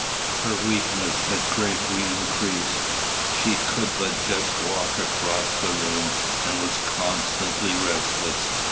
Her weakness had greatly increased: she could but just walk across the room, and was constantly restless.